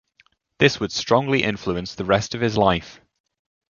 This would strongly influence the rest of his life.